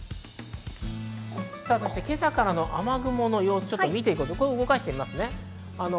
今朝からの雨雲の様子、見ていきます。